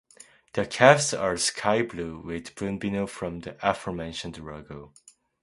The caps are sky blue with Bunbino from the aforementioned logo.